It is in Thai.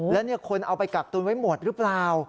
แล้วคนเอาไปกักตุนไว้หมดหรือเปล่า